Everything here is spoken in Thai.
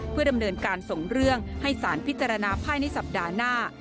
เพื่อดำเนินการส่งเรื่องให้สารพิจารณาภายในสัปดาห์หน้า